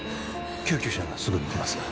救急車がすぐに来ます